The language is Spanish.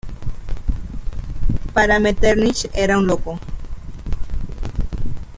Para Metternich era un loco.